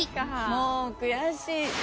もう悔しい。